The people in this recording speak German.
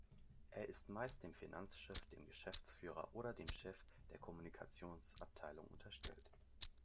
Er ist meist dem Finanzchef, dem Geschäftsführer oder dem Chef der Kommunikationsabteilung unterstellt.